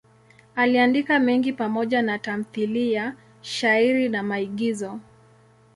Aliandika mengi pamoja na tamthiliya, shairi na maigizo.